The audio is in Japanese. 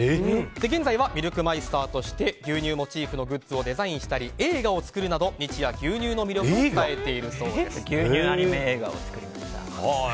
現在はミルクマイスターとして牛乳モチーフのグッズをデザインしたり、映画を作るなど日夜、牛乳の魅力を牛乳アニメ映画を作りました。